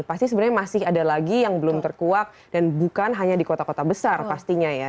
pasti sebenarnya masih ada lagi yang belum terkuak dan bukan hanya di kota kota besar pastinya ya